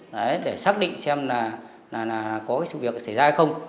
đấy để xác định xem là có cái sự việc xảy ra hay không